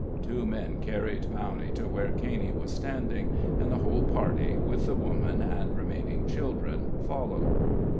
Two men carried Bowney to where Caney was standing, and the whole party, with the woman and remaining children, followed.